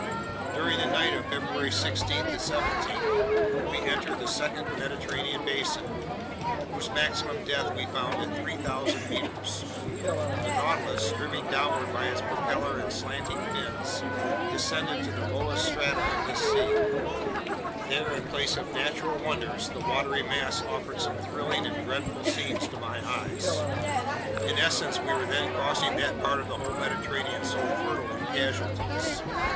During the night of February 16 17, we entered the second Mediterranean basin, whose maximum depth we found at 3,000 meters. The Nautilus, driven downward by its propeller and slanting fins, descended to the lowest strata of this sea. There, in place of natural wonders, the watery mass offered some thrilling and dreadful scenes to my eyes. In essence, we were then crossing that part of the whole Mediterranean so fertile in casualties.